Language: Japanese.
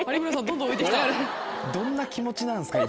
どんな気持ちなんすか今。